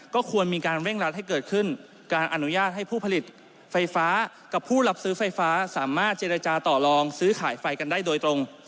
ก็ควรมีการเร่งรัดให้เกิดขึ้นการอนุญาตให้ผู้ผลิตไฟฟ้ากับผู้รับซื้อไฟฟ้าสามารถเจรจาต่อลองซื้อขายไฟกันได้โดยตรง